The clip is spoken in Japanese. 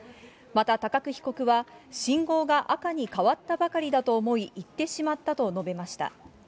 また高久被告は信号が赤に変わったばかりだと思い、行ってしまったと述べました。